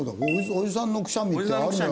おじさんのくしゃみってあるんだから。